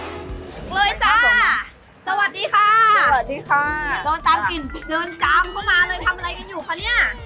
เลยจ้าสวัสดีค่ะสวัสดีค่ะเดินตามกลิ่นเดินตามเข้ามาเลยทำอะไรกันอยู่คะเนี่ย